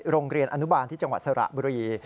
โรงเรียนอนุบาลที่จังหวัดสระบุรี